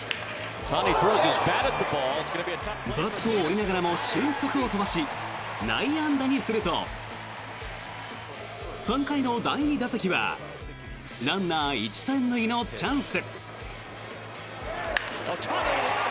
バットを折りながらも俊足を飛ばし内野安打にすると３回の第２打席はランナー１・３塁のチャンス。